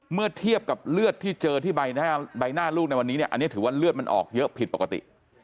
เมื่อเทียบกับเลือดที่เจอที่ใบหน้าใบหน้าลูกในวันนี้เนี่ยอันนี้ถือว่าเลือดมันออกเยอะผิดปกติ